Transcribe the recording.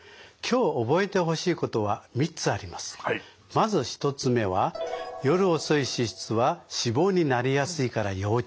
まず１つ目は夜遅い脂質は脂肪になりやすいから要注意ですね。